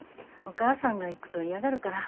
お母さんが行くと嫌がるから。